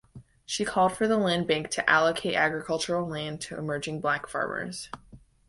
She called for the Land Bank to allocate agricultural land to emerging black farmers.